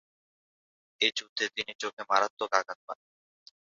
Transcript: এ যুদ্ধে তিনি চোখে মারাত্মক আঘাত পান।।